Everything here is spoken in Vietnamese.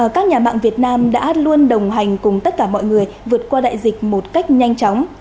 các nhà mạng việt nam đã luôn đồng hành cùng tất cả mọi người vượt qua đại dịch một cách nhanh chóng